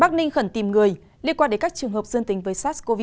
bắc ninh khẩn tìm người liên quan đến các trường hợp dương tính với sars cov hai